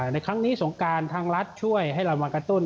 ในครั้งนี้สงการทางรัฐช่วยให้เรามากระตุ้น